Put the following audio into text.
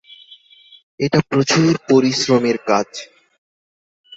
এটা প্রচুর পরিশ্রমের কাজ।